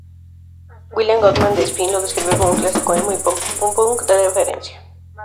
William Goodman, de "Spin", lo describió como un "clásico emo y pop-punk de referencia".